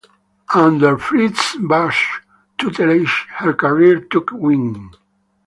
Under Fritz Busch's tutelage her career took wing.